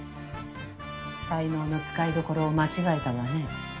才能の使いどころを間違えたわね。